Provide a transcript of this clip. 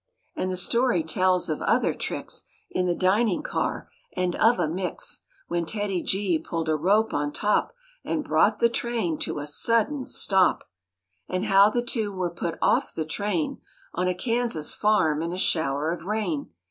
And the story tells of other tricks In the dining car, and of a mix When TEDDY—G pulled a rope on top And brought the train to a sudden stop; And how the two were put off the train On a Kansas farm in a shower of rain.